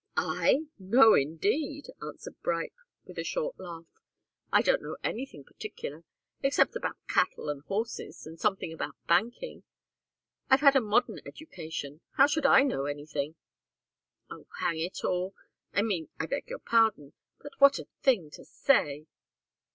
"I? No, indeed!" answered Bright, with a short laugh. "I don't know anything particular except about cattle and horses, and something about banking. I've had a modern education! How should I know anything?" "Oh, hang it all I mean I beg your pardon but what a thing to say!"